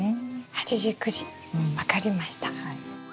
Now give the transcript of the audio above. ８時９時分かりました。